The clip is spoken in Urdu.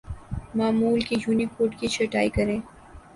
معمول کے یونیکوڈ کی چھٹائی کریں